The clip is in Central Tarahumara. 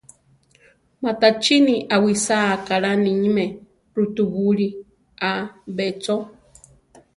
Matachíni awisáa kaʼlá níme rutubúli ‘a be cho.